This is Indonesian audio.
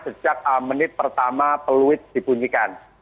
sejak menit pertama peluit dibunyikan